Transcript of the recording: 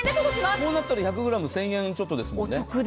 こうなったら１００ｇ１０００円ちょっとですよね。